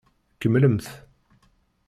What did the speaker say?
Kemmlemt.